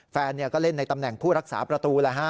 แฟนก็เล่นในตำแหน่งผู้รักษาประตูแล้วฮะ